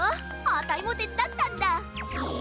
あたいもてつだったんだ！え！？